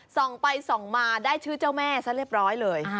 ส่องไปส่องมาได้ชื่อเจ้าแม่ซะเรียบร้อยเลย